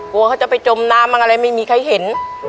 กลัวเขาจะไปจมน้ำอะไรไม่มีใครเห็น